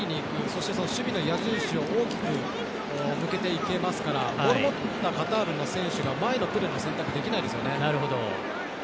そして、守備の矢印を大きく向けていけますからボールを持ったカタールの選手が前のプレーの選択できないですからね。